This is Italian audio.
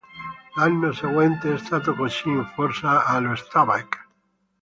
L'anno seguente è stato così in forza allo Stabæk.